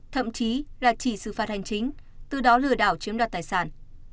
thậm chí là chỉ xử phạt hành chính từ đó lừa đảo chiếm đoạt tài sản